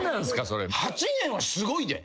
８年はすごいで。